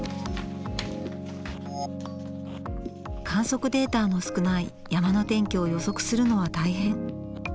観測データの少ない山の天気を予測するのは大変。